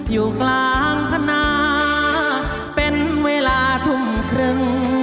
อยู่กลางพนาเป็นเวลาทุ่มครึ่ง